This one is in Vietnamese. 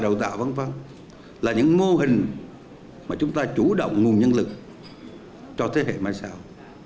đào tạo v v là những mô hình mà chúng ta chủ động nguồn nhân lực cho thế hệ mai sau